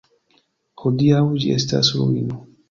Hodiaŭ ĝi estas ruino.